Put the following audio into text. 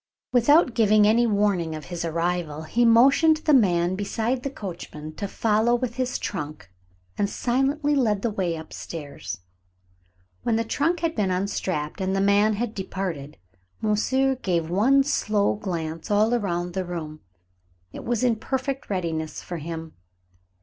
Without giving any warning of his arrival, he motioned the man beside the coachman to follow with his trunk, and silently led the way up stairs. When the trunk had been unstrapped and the man had departed, monsieur gave one slow glance all around the room. It was in perfect readiness for him.